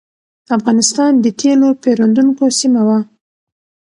افغانستان د تېلو پېرودونکو سیمه وه.